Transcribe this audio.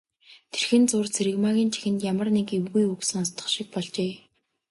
Тэрхэн зуур Цэрэгмаагийн чихэнд ямар нэг эвгүй үг сонстох шиг болжээ.